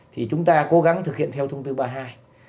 thì chúng ta cố gắng thực hiện theo thông tin thứ ba hai